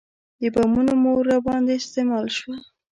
د بمونو مور راباندې استعمال شوه.